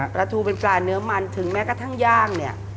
ปลาทูเป็นปลาเนื้อมันถึงแม้กระทั่งย่างเนี่ย